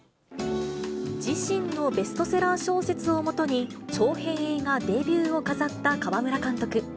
自身のベストセラー小説をもとに、長編映画デビューを飾った川村監督。